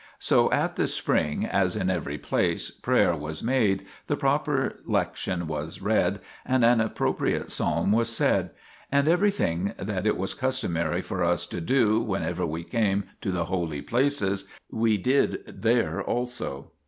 So at the spring, as in every place, prayer was made, the proper lection was read and an appro priate psalm was said, and everything that it was customary for us to do whenever we came to the holy places, we did there also.